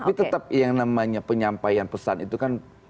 tapi tetap yang namanya penyampaian pesan itu kan